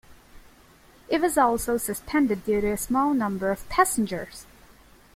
It was also suspended due to a small number of passengers.